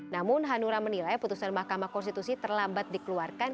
namun hanura menilai putusan mahkamah konstitusi terlambat dikeluarkan